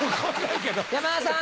山田さん